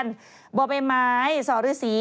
สองหัวตัวเดียวสองหัวตัวเดียว